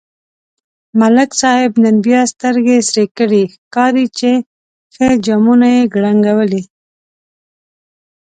ملک صاحب نن بیا سترگې سرې کړي، ښکاري چې ښه جامونه یې کړنگولي.